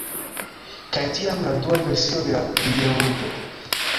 kaj tiam la dua versio de la videoludo